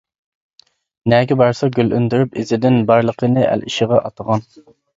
نەگە بارسا گۈل ئۈندۈرۈپ ئىزىدىن، بارلىقىنى ئەل ئىشىغا ئاتىغان.